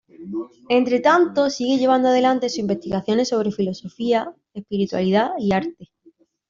Entretanto sigue llevando adelante sus investigaciones sobre filosofía, espiritualidad y arte.